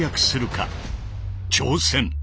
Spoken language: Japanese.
挑戦！